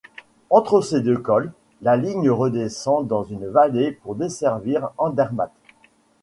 Entre ces deux cols, la ligne redescend dans une vallée pour desservir Andermatt.